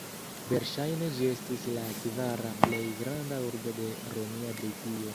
Verŝajne ĝi estis la kvara plej granda urbo de romia Britio.